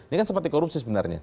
ini kan seperti korupsi sebenarnya